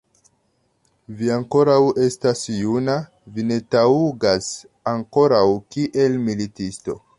Vi ankoraŭ estas juna, vi ne taŭgas ankoraŭ kiel militisto.